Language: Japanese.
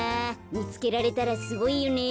みつけられたらすごいよねえ。